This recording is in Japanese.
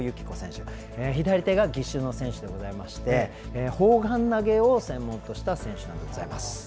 左手が義手の選手でございまして砲丸投げを専門とした選手です。